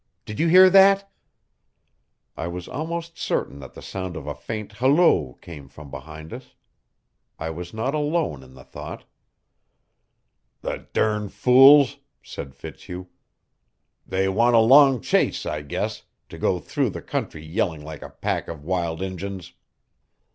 "Did you hear that?" I was almost certain that the sound of a faint halloo came from behind us. I was not alone in the thought. "The dern fools!" said Fitzhugh. "They want a long chase, I guess, to go through the country yelling like a pack of wild Injuns."